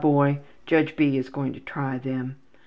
boy. Judge B. is going to try them.